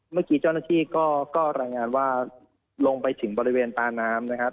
เมื่อกี้เจ้าหน้าที่ก็รายงานว่าลงไปถึงบริเวณตาน้ำนะครับ